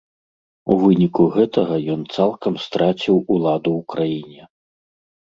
У выніку гэтага ён цалкам страціў уладу ў краіне.